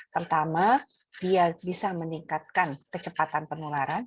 pertama dia bisa meningkatkan kecepatan penularan